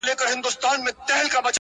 نن یو امر او فرمان صادرومه!!